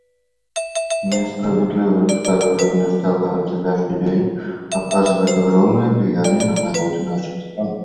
Несправедливость, с которой мы сталкиваемся каждый день, оказывает огромное влияние на народы наших стран.